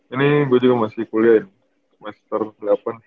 ini gue juga masih kuliahin semester delapan terakhir